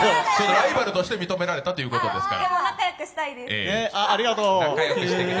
ライバルとして認められたということですから。